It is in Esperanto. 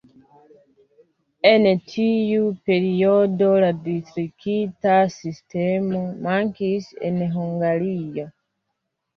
En tiu periodo la distrikta sistemo mankis en Hungario.